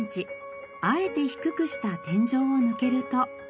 あえて低くした天井を抜けると。